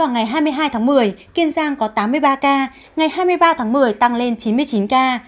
ngày hai mươi hai tháng một mươi kiên giang có tám mươi ba ca ngày hai mươi ba tháng một mươi tăng lên chín mươi chín ca